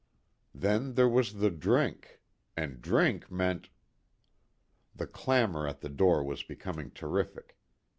Then there was the drink, and drink meant The clamor at the door was becoming terrific.